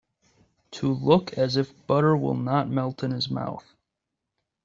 To look as if butter will not melt in his mouth.